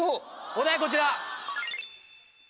お題こちら。